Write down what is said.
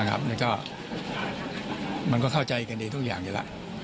แล้วก็เข้าใจกันดีทุกอย่างดีแล้ว